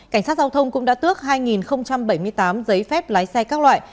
cảnh sát giao thông cũng đã tước hai bảy mươi tám giấy phép lái xe các loại